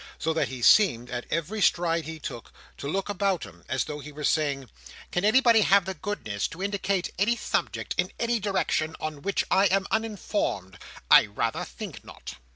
So that he seemed, at every stride he took, to look about him as though he were saying, "Can anybody have the goodness to indicate any subject, in any direction, on which I am uninformed? I rather think not."